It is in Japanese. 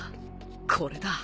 これだ！